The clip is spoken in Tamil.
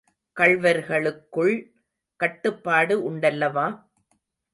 கள்வர்களுக்குள் கட்டுப்பாடு உண்டல்லவா?